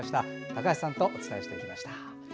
高橋さんとお伝えしました。